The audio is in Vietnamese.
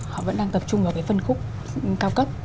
họ vẫn đang tập trung vào cái phân khúc cao cấp